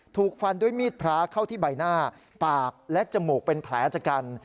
ถูกฟันด้วยมีดพระเข้าที่ใบหน้าปากและจมูกเป็นแผลจากกัน